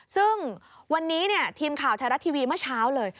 ซึ่งวันนี้ทีมข่าวไทยรัฐทีวีเมื่อเช้าเลย